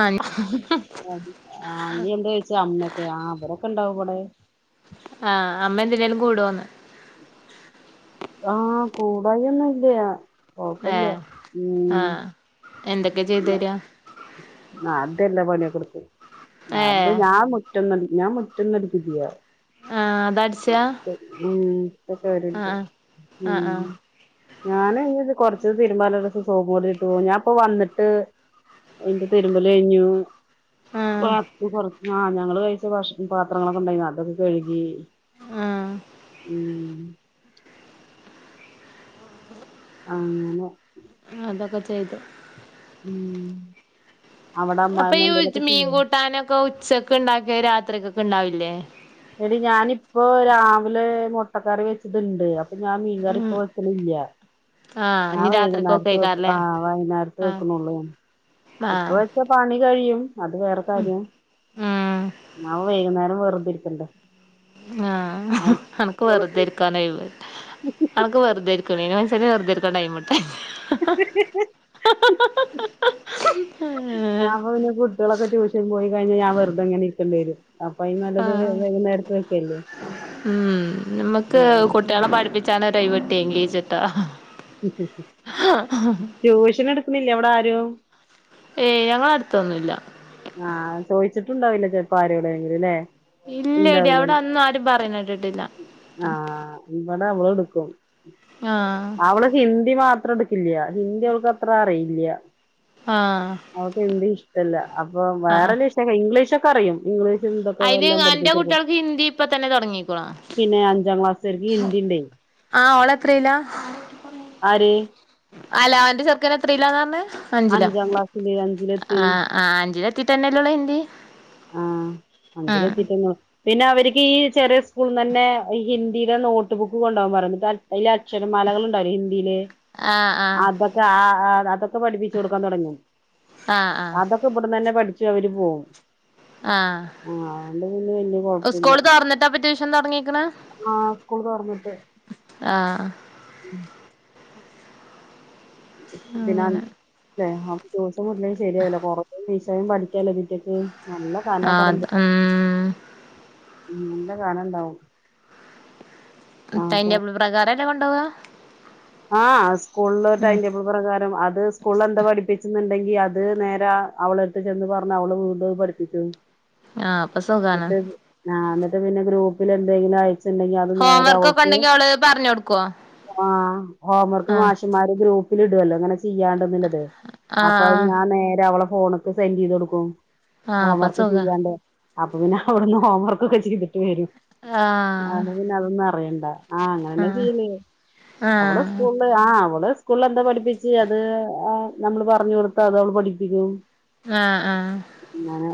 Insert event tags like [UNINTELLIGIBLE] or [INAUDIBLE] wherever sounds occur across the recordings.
ആ ആ നീ എന്ത ചോയിച്ചേ അമ്മൊക്കെ ആ് അവരൊക്കെണ്ടാവും അവിടെ ആഹ് അമ്മ എന്തിനോലും കൂടുോന്ന് ആഹ കൂടായ ഒന്നും ഇല്ല ഏ കൊഴപ്പില്ല ഉ ആ എന്തൊക്കെ ചെയ്തര ആ, അതല്ല പണിയൊക്കെ അത് ഞാൻ മുറ്റം ഞാൻ മുറ്റൊന്നും അടികില്ല ആ അത് അടിച്ചതാ ക്കെ വണ്ട് ആ ആ ഞാന്ത് കൊറച്ച് തിരുമ്പലാലത് സോപ്പ് പോടിയിട്ട് ഞാൻപ്പ വന്നട്ട് അതിന്റെ തിരുമ്പല കഴിഞ്ഞു ആ ആഹ് ഞങ്ങൾ കഴിച്ച പാത്രങ്ങളൊക്കെ ഉണ്ടായിരുന്നു അതൊക്കെ കഴുകി ആ മം [INAUDIBLE] ആങ്ങനെ അതൊക്കെ ചെയ്തു ഉം അവിടെ അപ്പൊ അമ്മായിമ്മ ഈ എന്തേലൊക്കെ മീൻ കൂട്ടാനൊക്കെ ഉച്ചൊക്കെ ഉണ്ടാക്കിയത് രാത്രിക്കൊക്കെ ഉണ്ടാവില്ലേ എടി ഞാനിപ്പോ രാവിലെ മുട്ടക്കറി വെച്ചത് ഉണ്ട് അപ്പോ ഞാൻ മീൻകറി ഉം ഇപ്പോ വെക്കല് ഇല്ല ആ ഇനി രാത്രിക്കൊക്കെ വൈകുന്നേരത്ത് വെക്കും ആയിക്കാരല്ലേ ആ വൈകുന്നേരത്തെ ആ വെക്കുന്നുള്ളൂ ആ ഇപ്പ വെച്ച പണി കഴിയും അത് വേറെ കാര്യം ഉം ന്നാ വൈകുന്നേരം വെറുതെ ഇരിക്കണ്ടേ ആ ആ, എനക്ക് കുട്ടികള്- വെറുതെ ഇരിക്കാൻഒഴിവ് എനക്ക് വെറുതെരിക്ക വെറുതെ ഇരിക്കാൻ ടൈം കിട്ടും ഹ ഹ ഹ ഹ ഹ ഹ ആ അപ്പൊ പിന്നെ കുട്ടികളൊക്കെ ട്യൂഷൻ പോയി കഴിഞ്ഞാൽ ഞാൻ വെറുതെ എങ്ങനെ ഇരിക്കേണ്ടി വരും അപ്പംആനല്ലത് വൈ ആ വൈകുന്നേരത്ത് വെക്കല്ലേ നമ്മുക്ക് ഉം. കുട്ടികളെ പഠിപ്പിച്ചാന്ന് ഒരു ഒഴിവ് കിട്ടിയെങ്കില് സെറ്റാ ട്യൂഷൻ എടുക്കുന്നില്ല അവിടാരും ഏ ഞങ്ങടെഅടുത്തൊന്നുമില്ല ആ ചോദിച്ചിട്ടുണ്ടാവില്ല ചെലപ്പോ ആരു എവിടെഎങ്കിലും അല്ലേ ഇല്ലടി അവിടെ അന്നും ആരും പറയണ കേട്ടിട്ടില്ല അവള്എടുക്കും ആഹ് അവള് ഹിന്ദി മാത്രം എടു കില്ല ഹിന്ദി അവൾക്ക് അത്ര അറിയില്ല ആഹ് അവൾക്ക് ഹിന്ദി ഇഷ്ടമില്ല അപ്പൊ വേറെ വല്ല വിഷയം ഇംഗ്ലീഷ് ഒക്കെ അറിയും ഇംഗീഷ് അതിന് അന്റെ കുട്ടികൾക്ക് ഹിന്ദി ഇപ്പൊ തന്നെ തുടങ്ങികണ് പിന്നെ അഞ്ചാം ക്ലാസ്സർക്ക് ഹിന്ദി ഉണ്ടേ ആ ഓള് എത്രയിലാ ആര് അല്ല അവന്റെ ചെറുക്കന് എത്രയിലാന്നാ പറഞ്ഞേ അഞ്ചില അഞ്ചാം ക്ലാസ്സില് അഞ്ചിലെത്തി ആ അഞ്ചില ത്തിട്ടല്ലേ ഉള്ളു ഹിന്ദി. അഞ്ചില് ആഹ് എത്തി പിന്നെ അവർക്ക് ഈ ചെറിയ സ്കൂളിന് തന്നെ ഹിന്ദിയിലെ നോട്ട് ബുക്ക് കൊണ്ടുപോവാൻ പറയും. അതിലക്ഷരം മാലകളുണ്ടായിരിക്കുംഹിന്ദിയില്? ആഹ് ആഹ് അതൊക്കെ ആ അതൊക്കെ പഠിപ്പിച്ചു കൊടുക്കാൻ തുടങ്ങി. ആഹ് ആഹ് അതൊക്കെ ഇവിടുന്ന് തന്നെ പഠിച്ചു അവര് പോവും. ആ ആഹ് അതുകൊണ്ട് പിന്നെ വല്യ കുഴപ്പില്ല സ്കൂള് തുറന്നിട്ടാ ഇപ്പം ട്യൂഷൻ തുടങ്ങിയേക്കണേ? ആ സ്കൂൾ തുറന്നിട്ട് ആ [UNINTELLIGIBLE] അങ്ങനെ ദിവസവും വിട്ടില്ലേ ശരിയാവില്ല [UNINTELLIGIBLE] പഠിക്കാലോ വീട്ടിട്ട് നല്ല ആഹ് കാലാകാരന്ത അത് ഉം ഉം. നല്ലകാലം ഉണ്ടാവും. ടൈംടബിൾ പ്രകാരം അല്ലേ കൊണ്ടുപോവുക? ആ സ്കൂളില് ടൈം ടേബിൾ പ്രകാരം അ അത് സ്കൂളിൽ എന്താ പഠിപ്പിച്ചുന്നുണ്ടെങ്കി അത് നേരെ അവളെ എടുത്ത് ചെന്ന് പറഞ്ഞ അവള് വീണ്ടു അത്പഠിപ്പിക്കും. ആഹ് അപ്പൊ സുഖാണ് ട്ട് ആ എന്നിട്ട് പിന്നെ ഗ്രൂപ്പിൽ എന്തെങ്കിലും അയച്ച ണ്ടെങ്കിൽ അത് ഹോം നേരെ വർക്കൊക്കെ അവൾക്ക് ഉണ്ടെങ്കി അവള് പറഞ്ഞ് കൊടുക്കോ ആ ഹോംവർക്ക് ആഹ് മാഷുമാര് ഗ്രൂപ്പ് ഇടുല്ലോ? അങ്ങനെ ചെയ്യാണ്ടന്നുള്ളത്. ആഹ് അപ്പൊ ആഹ് ഞാൻ നേരെ അവളെ ഫോൺക്ക് സെന്റ് ചെയ്ത് കൊടുക്കും. ആഹ് ഹോം അപ്പൊ വർക്ക് സുഖാ ചെയ്യാണ്ട് അപ്പൊ പിന്നെ അവിടുന്ന് ഹോംവർക്ക് ഒക്കെ ചെയ്തിട്ടേ വരും. ആഹ് അതു പിന്നെ അതൊന്നും അറിയണ്ട. ആ അങ്ങനെതന്നെ ആഹ് ചെയ്യല്. അവള് ആഹ് സ്കൂളില് ആ അവള് സ്കൂളിൽ എന്താ പഠിപ്പിച്ച് അത് നമ്മള് പറഞ്ഞു കൊടുത്താ അത് അവള് പഠിപ്പിക്കും. ആ ആ അങ്ങനെ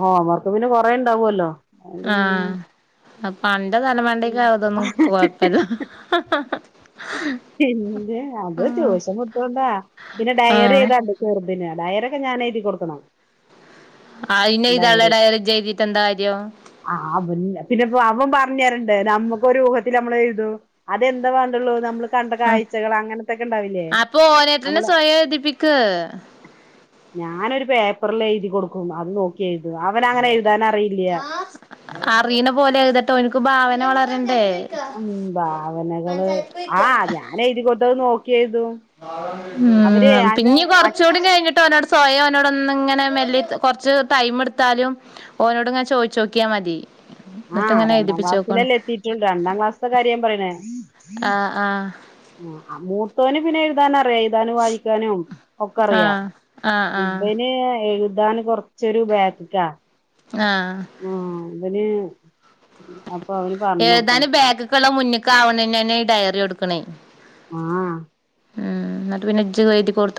ഹോം വർക്ക് പിന്നെ കൊറേ ഉണ്ടാവുവല്ലോ? ആഹ പണ്ടത തലമണ്ടേയിൽ കേറത്തൊന്നും കൊഴപ്പില്ല പിന്ന അത് ച്യൂഷം മുട്ടണ്ടാ പിന്നെ ഡയറി ആഹ് ചെയ്താണ്ട് ച ഡയരൊക്കെ ഞാൻ എഴുതി കൊടുക്കണം അയിന് ഡയറി ഇതള്ളട ഇജ്ജെഴുതീട്ടെന്താ കാര്യം ആ അവ പിന്നെപ്പോ അവൻ പറഞ്ഞറുണ്ടെ നമ്മുക്ക് ഒരു ഊഹത്തി നമ്മൾ എഴുതു അതെന്താ വേണ്ടുള്ളൂ നമ്മ കണ്ട ആഹ് കാഴ്ചകൾ അങ്ങനത്തൊക്കെ ഇണ്ടാവില്ലേ അപ്പൊ ഓനേട്ടനെ നമ്മള് സ്വയം എഴുതിപ്പിക്ക് ഞാനൊരു പേപ്പറൽ എഴുതി കൊടുക്കും അത് നോക്കി എഴുതും അവനങ്ങനെ എഴുതാൻ അറിയില്ല അറിയണ പോലെഴുതട്ടോ എനിക്ക് ഭാവന വളരണ്ടേ ഉം ഭാവനകള് ആ ഞാന എഴുതി കൊത്തത് നോക്കി എഴുതും അവര് ഉം ഞാന് പിന്നീ ആ കൊറച്ചുകൂടി കഴിഞ്ഞിട്ട് ഒരടുത്ത് സ്വയം നോട ഒന്ന ഇങ്ങനെ മെല്ലി കൊറച്ച് ടൈം എടുത്താലും ഓനോട്ങ്ങെ ചോദിച്ചോക്കിയാൽ മതി എന്നിട്ട് ആഹ് ഇങ്ങനെ രണ്ടാം എഴുതിപ്പിച്ചോക്കോണ്ട് ക്ലാസ്സിലല്ലേ എത്തിട്ടണ്ട് രണ്ടാം ക്ലാസ്ത്തെ കാര്യൻ പറയണേ ആഹ് ആഹ് ആ മൂത്തോന ന്നെ എഴുതാന അറിയാം എഴുതാനും വായിക്കാനും ഒക്കെ അറിയാ ആഹ് ആഹ് ആഹ് ഇബന് എഴുതാൻ കൊറച്ചൊരു ബാക്ക്ല ആഹ അങ്ങനെ ഏതാനും ബാഗുകളുള്ള മുന്നേക്ക ആവണന്നന്നെ ഈ ഡയറി എടുക്കണേ ആഹ ഉം എന്നിട്ട് പിന്നെ ഇജ്ജ് എഴുതി കൊടു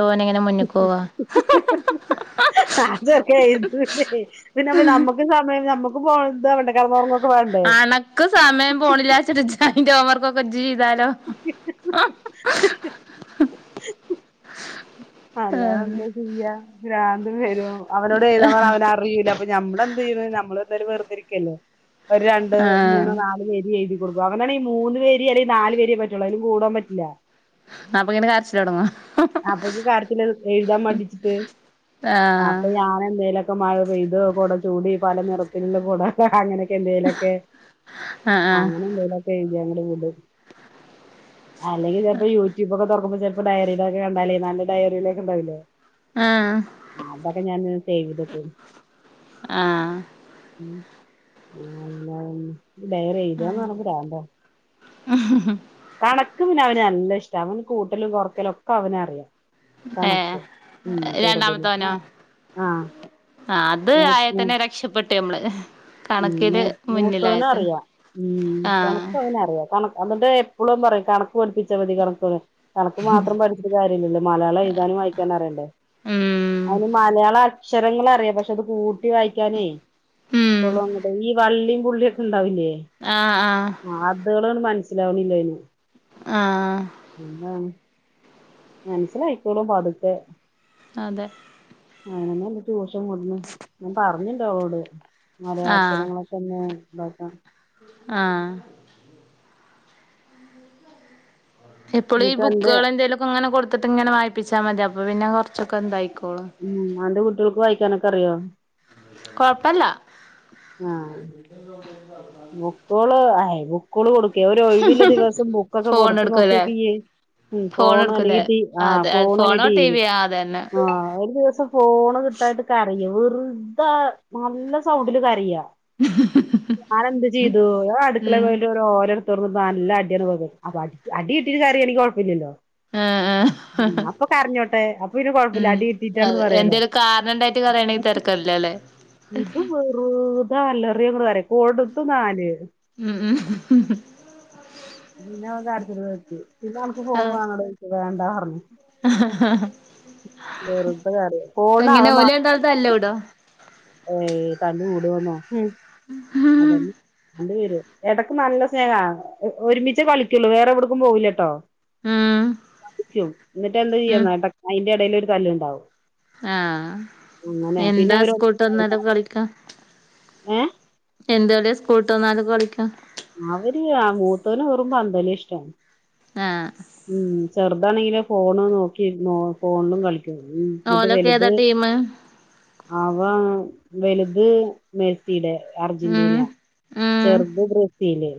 ഹ്ഹ്ഹ് അതൊക്കെ പിന്നെ നമ്മക്ക് സമയം നമ്മുക്ക് പോണം [UNINTELLIGIBLE] അണക്ക് സമയം പോണില്ലാച്ട്ട് ഇജയ്ന്റൊപ്പം ജീതാലോ അല്ലാതെന്ത ചെയ്യ പ്രാന്ത് വരും അവനോട് എഴുതാ പറ അവനറിയൂല്ല അപ്പൊ ഞമ്മളന്ത ചെയ്യ ഞമ്മള് എന്തായാലും വെറുതിരിക്കല്ലേ ഒരു രണ്ട് ആഹ് മൂന്ന് നാല് പേജ് എഴുതി കൊടുക്കു അവനാണെ മൂന്ന് വരി അല്ലെങ്കിൽ നാല് വരി പറ്റുള്ള അയില് കൂടാൻ പറ്റില്ല ആപ്പൊങ്ങനെ കരച്ചില തുടങ്ങോ അപ്പൊക്ക കാര്യത്തില് എഴുതാൻ മടിച്ചിട്ട് ആഹ് അപ്പൊ ഞാൻ എന്തേലും മഴ പെയ്ത് കൊട ചൂടി പല നിറത്തിലുള്ള കൊട ഹഹഹ അങ്ങനെ എന്തേലൊക്കെ ആഹ് ആഹ് അങ്ങനെ എന്തേലൊക്കെ എഴുതി അങ്ങട് വിടും അല്ലെങ്കി ചെപ്പോ യൂട്യൂബ്ക്കെ തൊറക്കുമ്പോ ചെല്പ്പോ ഡയറീലക്കെണ്ടാലേ നല്ല ഡയറീലൊക്കെ ണ്ടാ ആഹ് [UNINTELLIGIBLE] അതൊക്കെ ഞാൻ സേവ് ചെയ്ത്ക്കു ആ [UNINTELLIGIBLE] ഡയറി എഴുതാന്ന് പറഞ്ഞ പ്രാന്തന്ന് കണക്ക് പിന്നവന് ല്ല ഇഷ്ട അവന് കൂട്ടലും കൊറക്കലൊക്കെ അവനറിയാം കണക്ക് ഏഹ് ഉം ചെറുതില് ആ ആ അത് ആയാൽ തന്നെ രക്ഷപ്പെട്ടു ഞമ്മള് മൂത്തോന് അറിയാം ഉം ആഹ് കണക്ക്അവനറിയ [UNINTELLIGIBLE] എന്നിട്ട് എപ്പോളും പറയും കണക്ക് പഠിപ്പിച്ചാ മതി കണ കണക്ക് മാത്രം പഠപ്പ കാര്യല്ലല്ലൊ. മലയാളം എഴുതാനും വായിക്കാനറിയണ്ടെ ഉം അയിന് മല [UNINTELLIGIBLE] അക്ഷരങ്ങളറിയ പക്ഷെ അത് കൂട്ടി വായിക്കാനേ ഉം പ്പളുങ്ങട്ട് ഈ വള്ളീം പുള്ളീ ണ്ടാവില്ലേ ആഹ് ആഹ് [UNINTELLIGIBLE] മനസ്സിലാവണില്ല അയ്ന് ആഹ് പിന്ന മനസ്സിലായിക്കോളും പതുക്കെ അതെ അങ്ങനെന്നെ ട്യൂഷൻ കൊടുന്ന് ഞാൻ പറഞ്ഞിണ്ട് ഓളോട് മലയാളാക്ഷരങ്ങളൊക്കെന്ന് [UNINTELLIGIBLE] ആ എപ്പോളു ഈ എന്നിട്ട് അന്റെ ബുക്കള് എന്തെലൊക്കെ ങ്ങനെ കൊടുത്തിട്ട് ഇങ്ങനെ വായിപ്പിച്ചാ മതി അപ്പൊ പിന്നെ കൊറച്ചൊക്കെ ഇതാക്കും ഉം അന്റെ കുട്ടിയോൾക്ക് വായിക്കാനൊക്കെ അറിയോ കൊഴപ്പല്ല ബുക്കോള് അ ബുക്കോള് ഒരു ഒഴിവില്ല ദിവസം ബുക്കൊക്കെ ഫോൺ കൊടുത്ത എടുക്കൂലേ നോക്ക്യോക്ക്യ്യ് ഉം ഫോൺ ഫോണ് എടുക്കൂലേ അല്ലെങ്കി ടി ആ അതെ ഫോണ് ല്ലെ ഫോണോ ടിവി ടിവിയോ അതന്നെ ആ ഒരു ദിവസം ഫോണ് ത്തായിട്ട് കരയ വെറുത നല്ല സൗണ്ടില് കരയ ഞാനന്ത് ചെയ്തു അടുക്കളെ ഉം പോയിട്ട് ഓരോലെടുത്ത് നല്ല അടിയാണ് പോ അപ്പ അ അടിയിട്ടിട്ട് കരയാണങ്കി കൊഴപ്പില്ലല്ലോ ആഹ് ആഹ് അപ്പൊ കരഞ്ഞോട്ടെ അപ്പൊ ഇനി കൊഴപ്പില്ല ഉം അടി ഇട്ടിട്ടാണെന്ന് അതെ പറയാലോ എന്തേലും [UNINTELLIGIBLE] ഇത് വെറുതാ അലറിയങ്ങട് കരയ കൊടത്ത് നാല് ഉം പിന്ന അവൻ കരച്ചില് നിർത്തി പിന്നെ അനക്ക് ഫോണ് വേണോടായിച്ച് വേണ്ടാറഞ്ഞു ഹഹഹ വെറുതെ കരയ ഫോണ് എങ്ങനെ ഓല് ണ്ടാളു തല്ലൂടോ ഏയ് തല്ല്കൂടോന്നോ ഉം അതന്നെ രണ്ട് പേരും എടക്ക് നല്ല സ്നേഹാ ഒരുമിച്ചേ കളിക്കുള്ളൂ വേറെ എവിടക്കും പോവൂലട്ടോ ഉം [UNINTELLIGIBLE] എന്നിട്ട് എന്താ ചെയ്യന്നാ എട അയ്ന്റെ എടേല് ഒരു തല്ല് ഇണ്ടാവും ആ പിന്നെ എന്താ അവര് സ്കൂള്ട്ടന്നാല് കളിക്കാ? ഏ എന്തളിയാ സ്കൂള്ട്ടന്നലും കളിക്കാ? അവര് അ മൂത്തോന് വെറും പന്തളിയഷ്ടം ആ ഉം ചെറുതാണെങ്കില് ഫോണ് നോക്കി ഇരിന്നോളും ഫോണിലും കളി ന്നിട്ട് ഓലൊക്കെ ഏതാ വലുത് ടീമ് അവ വലുത് മെ [UNINTELLIGIBLE] ഉം അർജന്റീന ഉം ചെറുത് ബ്രസീല്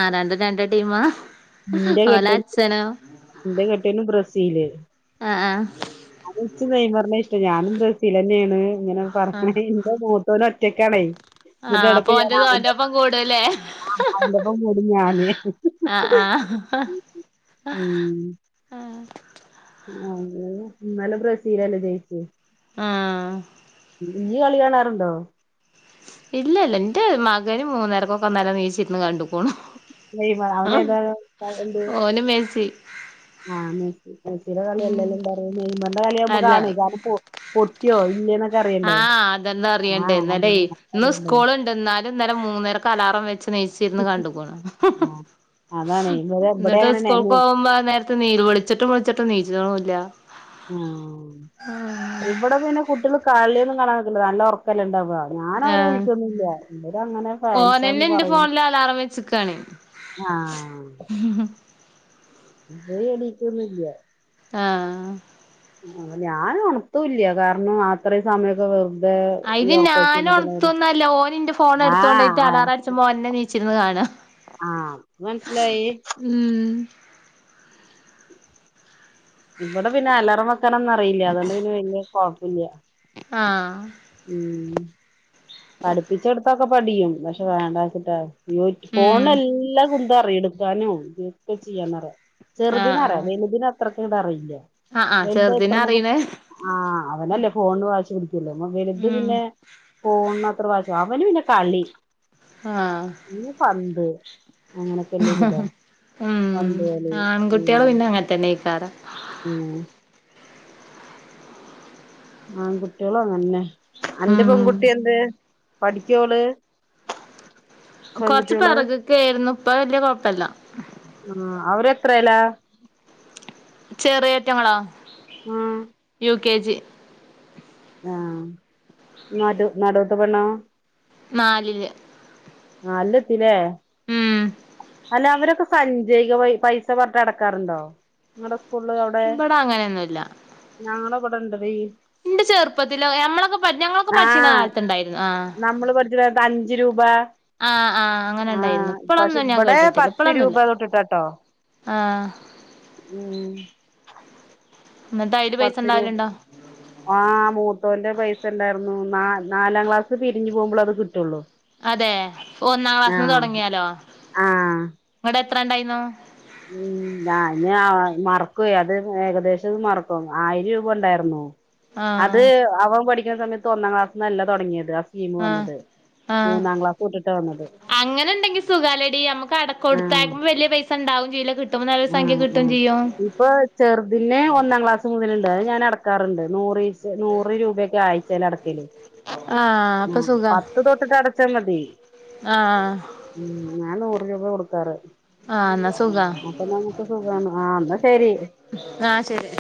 ആഹ് രണ്ടും രണ്ട് ടീമാ? ഇന്റെ ഓലെ കെട്ടിയോൻ അച്ഛനോ ഇന്റെ കെട്ടിയോനും ബ്രസീല് അ ആ ഇച്ച് നെയ്മറിനെ ഞാനും ബ്രസീലന്നെണ് ഇങ്ങനെ പറഞ്ഞണ ആഹ് എന്റെ മൂത്തോന് ഒറ്റക്കാണേ. എന്നിട്ട് ആഹ് അപ്പൊ ഒന്റെത് ഒൻ്റെപ്പം കൂടുല്ലേ? ആ അവൻ്റൊപ്പം കൂടും ഞാന് ആഹ് ആഹ് ഉം ആ ഇന്ന് ഇന്നലെ ബ്രസിലല്ലേ ജയിച്ചേ ആ ഇയ്യ് കളി കാണാറുണ്ടോ? ഇല്ല ഇല്ല എന്റെ മകന് മൂന്നരക്കൊക്കെ ഇന്നലെ നീച്ചി ര്ന്ന് കണ്ടുക്ക്ണു. മേ അവനേത ത് ഓന് മെസ്സി ആഹ് മെസ്സി മെസ്സിയുടെ ഉം കളില്ലല്ലോ നെയ്മറിന്റെ കളിയാവുമ്പോ അല്ല കാണു കാരണം പൊട്ടിയോ ഇല്ലേന്നൊക്കെ ആ അറിയണ്ടേ അതെന്താറിയണ്ടേ ആഹ് ഇന്നലെ അതന്നെ ഇന്ന് അറിയണ്ടേ സ്കൂള ഉണ്ട എന്നാലും ഇലെ മൂന്നേരക്ക് അലാറം വെച്ച് നീച്ചിര്ന്ന് കണ്ടുക്ക്ണു ആ അതാണ് ഇവരെ ഇവിടെ എന്നിട്ട് അങ്ങനെ സ്കൂൾ പോകുമ്പോ നേരത്തെ [UNINTELLIGIBLE] വിളിച്ചിട്ടും വിളിച്ചിട്ടും നീച്ച്ണുല്ലാ. ആ ഇവിടെ പിന്നെ കുട്ടിയള് കളിയൊന്നും കാണാൻ നിക്കില്ല നല്ല ഉറക്കല്ല ഇണ്ടാ ഞാൻ അവരെ ആഹ് വിളിക്കോന്നില്ല അവര് അങ്ങനെ ഫാൻസാന്ന് ഓനെന്നെ ഇന്റെ പറയും ഫോണില് അലാറം വെച്ച്ക്കാണ് ആഹ് വരെണിക്കൊന്നുല്ല ആഹ് ആ ഞാൻ ഉണർത്തുല്ല കാരണം അത്രയും സമയൊക്കെ വെ അയിന് ഞാനും ഉണത്തൊന്നല്ല ഓന്‌ന്റെ ഫോൺ ആ എടുത്തോണ്ടയിട്ട് അലാറം അടച്ച്പോ ഓന ന്നെ എണീച്ചിരുന്ന് കാണാ. ആഹ് മനസിലായി ഇവിടെ പിന്നെ അലാറം വെക്കാനൊന്നും അറിയില്ല അതുകൊണ്ട് പിന്നെ വലിയ കൊഴപ്പല്ല. ആഹ് ഉം പഠിപ്പിച്ചെടുത്തക്കെ പഠിയും പക്ഷെ വേണ്ടച്ചിട്ടാ ഇവനിക് ഉം ഫോണ് എല്ലാ കുന്തം അറിയ എടുക്കാനോ ഇതൊക്കെ ചെയ്യാനും അറിയ ആഹ് ചെറുദിന അറിയ ആഹ് വലുതിന് അത്രക്കങ്ങട് അറിയില്ല. ആഹ് ആഹ് എന്ത ചെറുതിനെ ഇത്രക്കെകെ അറിയണേ ആ അവനല്ലേ ഫോണ് വാശി പി കല് വലിത് ഉം പിന്നെ ഫോണ് അവന് പിന്നെ കളി ഇ പന്ത് അങ്ങനൊക്കെല്ല ഹ ഒരിതാ ഹ ഉം പന്ത് കളി ആൺകുട്ടിയാള് ഉം പിന്നെ അങ്ങൻ തന്നെയ്ക്കാരം ഉം ആൺകുട്ടികളോ അങ്ങന്നെ അന്റെ ഉം പെൺകുട്ടി എന്തേ? പഠിക്കോ ഓള് കൊറച്ച് പിറക് ക്കെയിരുന്നു ഇപ്പൊ വല്യ കൊഴപ്പല്ല എത്രേലാ? ചെറിയേറ്റങ്ങളാ? ആഹ് കെ ജി ആഹ് നടു നടൂത്ത പെണ്ണൊ? നാലില് നാലില് എത്തില്ലേ ഉം അല്ല അവരൊക്കെ സഞ്ചൈക പൈസ പറഞ്ഞട്ട് നടക്കാറുണ്ടോ സകുള് അവിടെ ഇവിടെ അങ്ങനെയൊന്നുല്ല ഞങ്ങള ഇവിടെ ഇണ്ട് വയ് എന്റെ ചെറുപ്പത്തില ഞമ്മളൊക്കെ പ ഞങ്ങളൊക്കെ പഠിച്ചിരുന്ന ആഹ് കാലത്തുണ്ടായിരുന്നു ആഹ് വാ ആഹ് ആഹ് അങ്ങനെ ഉണ്ടായിരുന്നു ഇപ്പളൊന്നും ഞാൻ ഇവിടെ കേട്ടിട്ടില്ല പത്ത് രൂപ ഇപ്പളൊന്നുല്ല തൊട്ടിട്ടാട്ടോ ആഹ് ഉം എന്നിട്ട് അയില് പൈസ പത്ത് രൂപ ഇണ്ടാവലിണ്ടാ ആഹ് മൂത്തോന്റെ പൈസ ഇണ്ടായിരുന്നു ന നാലാം ക്ലാസ് പിരിഞ്ഞു പോകുമ്പോളാ അത് കിട്ടുള്ളൂ അതെ ഒന്നാം ക്ലാസ്ന്ന് ആഹ് തുടങ്ങിയാലോ ആഹ് ഇങ്ങടെ എത്ര ഇണ്ടായിരുന്നു ഉം ഞാന് മറക്കൊയി അത് ഏകദേശം മറക്കും ആയിരം രൂപ ഉണ്ടായിരുന്നു അത് ആഹ് അവൻ പഠിക്കുന്ന സമയത്ത് ഒന്നാം ക്ലാസ്ന്നല്ല തുടങ്ങിയത് സ്കീം ആഹ് വന്നത് ആഹ് മൂന്നാം ക്ലാസ് തൊട്ടിട്ട അങ്ങനെ ഉണ്ടെങ്കി സുഖാലടി നമ്മുക്ക് അട ആഹ് കൊടുത്തക്കുമ്പോ വലിയ പൈസ ഉണ്ടാവും ചെയ്യില്ല കിട്ടുമ്പോ നല്ലൊരു സംഖ്യ ആഹ് കിട്ടും ആഹ് ചെയ്യും ഇപ്പൊ ചെറുതിന്റെ ഒന്നാം ക്ലാസ് മുതലിണ്ട് അത് ഞാൻ അടക്കാറുണ്ട് നൂറ് നൂറ് രൂപയക്കെ ആയ്ച്ചേല് അടക്കയില് ആഹ് അപ്പൊ ആ സുഖാ പത്ത് തൊട്ടിട്ട് അടച്ചാ മതി ആഹ് രുപേ കൊടുക്കാറ് ആഹ് അന്ന അപ്പൊ നമുക്ക് സുഖമാണ് ആഹ് എന്നാ ശരി ആഹ് ശരി